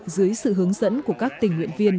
dưới sự hướng dẫn của các tình nguyện viên